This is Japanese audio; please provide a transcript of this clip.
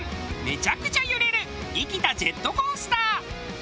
めちゃくちゃ揺れる生きたジェットコースター。